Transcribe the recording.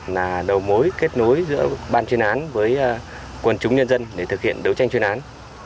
là đầu mối kết nối giữa ban chuyên án với quần chúng nhân dân để thực hiện đấu tranh chuyên án